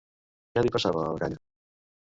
Què li passava a la canya?